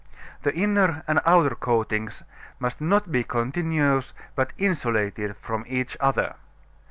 The inner and outer coatings must not be continuous but insulated from each other.